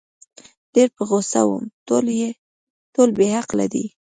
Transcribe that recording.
ډېر په غوسه وم، ټول بې عقله دي.